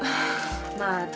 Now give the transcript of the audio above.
ああ。